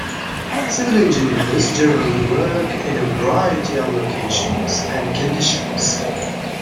Civil engineers generally work in a variety of locations and conditions.